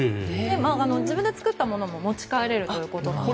自分で作ったものも持ち帰れるということなんですね。